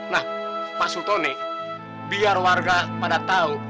nah pak sutoni biar warga pada tahu